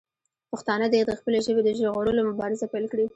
پښتانه دې د خپلې ژبې د ژغورلو مبارزه پیل کړي.